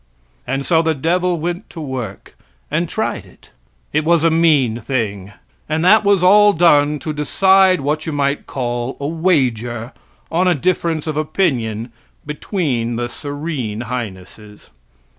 And so the devil went to work and tried it. It was a mean thing. And that was all done to decide what you might call a wager on a difference of opinion between the serene highnesses.